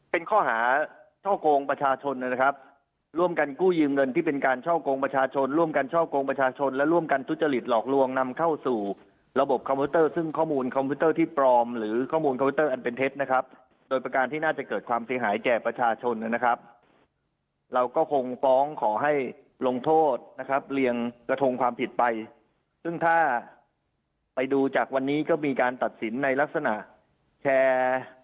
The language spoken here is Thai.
เป็นข้อหาเช่าโกงประชาชนนะครับร่วมกันกู้ยืมเงินที่เป็นการเช่าโกงประชาชนร่วมกันเช่าโกงประชาชนและร่วมกันทุจริตหลอกลวงนำเข้าสู่ระบบคอมพิวเตอร์ซึ่งข้อมูลคอมพิวเตอร์ที่ปลอมหรือข้อมูลคอมพิวเตอร์อันเป็นเท็จนะครับโดยประการที่น่าจะเกิดความเสียหายแก่ประชาชนนะคร